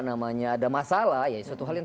namanya ada masalah ya suatu hal yang